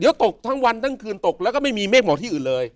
เดี๋ยวตกทั้งวันทั้งคืนตกแล้วก็ไม่มีเมฆหมอกที่อื่นเลย